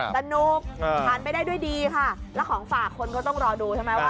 ครับดนุกเอ่อทานไปได้ด้วยดีค่ะแล้วของฝากคนก็ต้องรอดูใช่ไหม